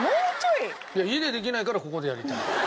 いや家でできないからここでやりたい。